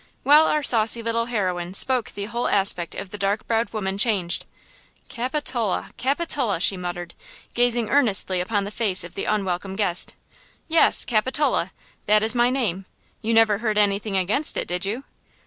While our saucy little heroine spoke the whole aspect of the dark browed woman changed. "Capitola–Capitola," she muttered, gazing earnestly upon the face of the unwelcome guest. "Yes, Capitola! That is my name! You never heard anything against it, did you?"